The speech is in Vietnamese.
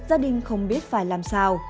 anh không biết phải làm sao